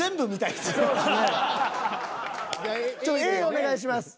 Ａお願いします。